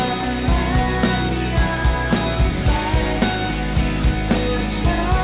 ก็กลับขวางจากใจ